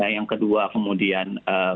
yang kedua kemudian